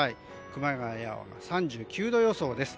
熊谷は３９度予想です。